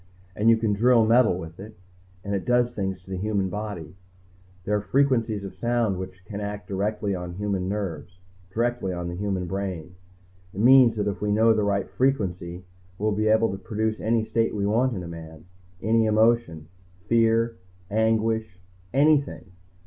And you can drill metal with it and it does things to the human body. "There are frequencies of sound which can act directly on human nerves, directly on the human brain. It means that if we know the right frequency, we'll be able to produce any state we want in a man, any emotion. Fear, anguish, anything.